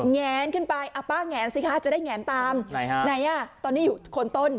แงนขึ้นไปป้าแงนสิคะจะได้แงนตามไหนฮะไหนอ่ะตอนนี้อยู่คนต้น